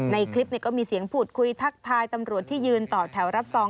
ในคลิปก็มีเสียงพูดคุยทักทายตำรวจที่ยืนต่อแถวรับซอง